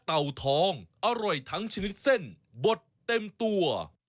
เอาล่ะค่ะกลับมาใส่ไข่บันเทิงกันต่อ